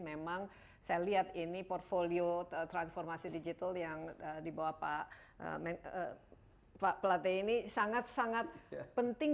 memang saya lihat ini portfolio transformasi digital yang dibawa pak plate ini sangat sangat penting